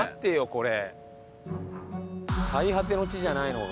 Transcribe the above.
これ。